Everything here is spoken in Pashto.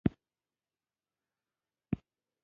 جغل باید پاک سخت او قوي وي